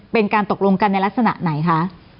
เป็นการตกลงกันในลักษณะไหนคะ